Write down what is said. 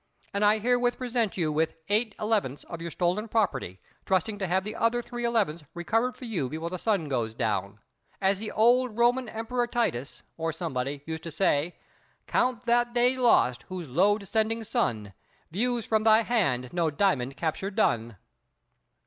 and I herewith present you with eight elevenths of your stolen property, trusting to have the other three elevenths recovered for you before the sun goes down. As the old Roman Emperor Titus, or somebody, used to say: "Count that day lost whose low descending sun Views from thy hand no diamond capture done!"